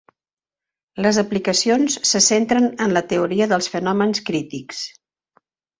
Les aplicacions se centren en la teoria dels fenòmens crítics.